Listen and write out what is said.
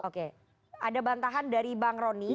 oke ada bantahan dari bang roni